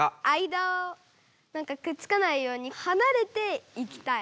間をなんかくっつかないようにはなれていきたい。